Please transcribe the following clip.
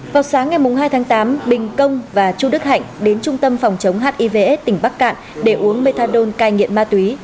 vào sáng ngày hai tháng tám bình công và chu đức hạnh đến trung tâm phòng chống hivs tỉnh bắc cạn để uống methadone cai nghiện ma túy